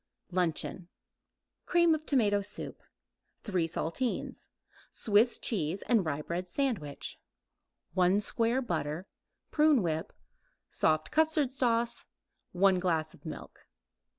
LUNCHEON Cream of tomato soup; 3 saltines; Swiss cheese and rye bread sandwich; 1 square butter; prune whip, soft custard sauce; 1 glass milk.